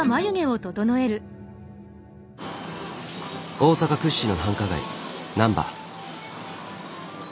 大阪屈指の繁華街なんば。